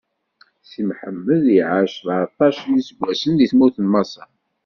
Si Mḥemmed iɛac sbeɛṭac n iseggasen di tmurt n Maṣer.